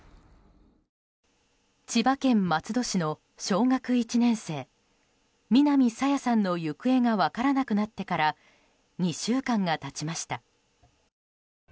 千葉県松戸市の小学１年生南朝芽さんの行方が分からなくなってから２週間が経ちました。